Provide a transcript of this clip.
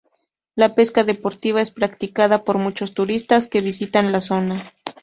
La pesca deportiva es practicada por muchos turistas que visitan la zona.